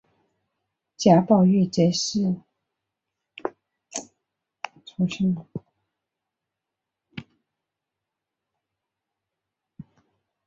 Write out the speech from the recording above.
贾宝玉则总是敬陪末座。